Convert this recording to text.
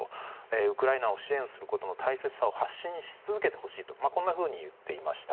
ウクライナを支援することの大切さを発信し続けてほしいとこんなふうに言っていました。